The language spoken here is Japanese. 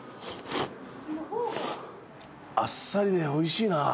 あっさりでおいしいな。